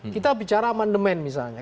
kita bicara mandemen misalnya